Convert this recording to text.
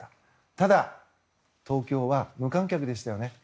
ただ、東京は無観客でしたよね。